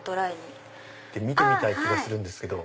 見てみたい気がするんですけど。